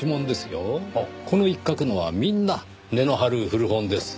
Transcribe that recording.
この一角のはみんな値の張る古本です。